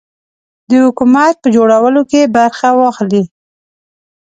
د حکومت په جوړولو کې برخه واخلي.